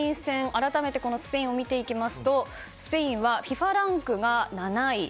改めてスペインを見てみますとスペインはＦＩＦＡランクが７位。